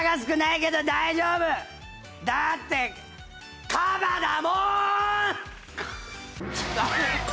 だってカバだもーん！